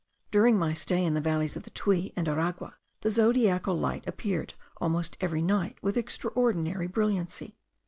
During my stay in the valleys of the Tuy and Aragua the zodiacal light appeared almost every night with extraordinary brilliancy.